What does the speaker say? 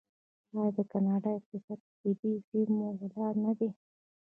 آیا د کاناډا اقتصاد په طبیعي زیرمو ولاړ نه دی؟